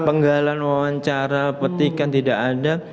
penggalan wawancara petikan tidak ada